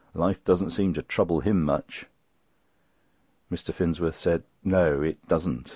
Life doesn't seem to trouble him much." Mr. Finsworth said: "No, it doesn't.